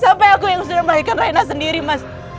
sampe aku yang sudah membahayakan reina sendiri mas